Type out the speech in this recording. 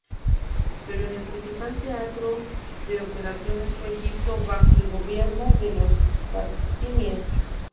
Pero el principal teatro de operaciones fue Egipto bajo el gobierno de los fatimíes.